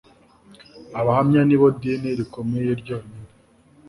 Abahamya ni bo dini rikomeye ryonyine